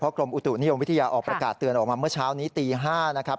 กรมอุตุนิยมวิทยาออกประกาศเตือนออกมาเมื่อเช้านี้ตี๕นะครับ